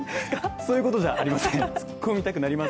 そういうことじゃありません。